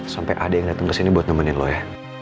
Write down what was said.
sampai ada yang dateng kesini buat temenin lo ya